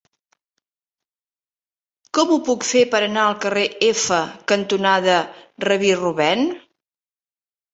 Com ho puc fer per anar al carrer F cantonada Rabí Rubèn?